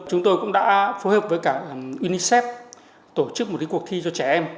chúng tôi cũng đã phối hợp với cả unicef tổ chức một cuộc thi cho trẻ em